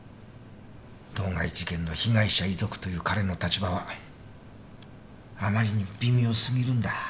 当該事件の被害者遺族という彼の立場はあまりに微妙すぎるんだ。